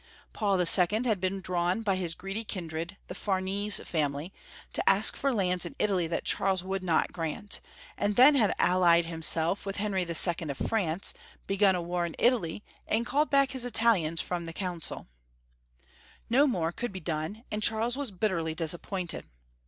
Paul 11. had been di*awn by liis greedy kindred, the Farnese family, to ask for lands in Italy that Charles would not grant, and then had allied himself with Henry II. of France, begim a war in Italy, and called back his Italians from the Council. 292 Young Folks^ Mistory of Q ermany. No more could be done, and Charles was bitterly disappointed.